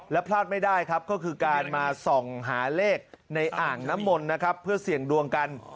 และพลาดไม่ได้ครับก็คือการมาส่องหาเลขในอ่างน้ำมนต์นะครับเพื่อเสี่ยงดวงกัน